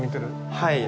はい。